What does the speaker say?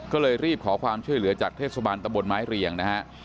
ก็เลยรีบขอความช่วยเหลือจากเทศบาลตะบนไม้เรียงนะฮะ